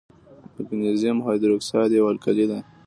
مګنیزیم هایدروکساید یوه القلي ده.